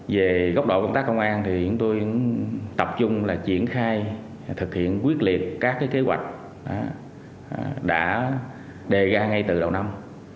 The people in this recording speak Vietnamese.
về góc độ công tác công an thì chúng tôi tập trung là triển khai thực hiện quyết liệt các kế hoạch đã đề ra ngay từ đầu năm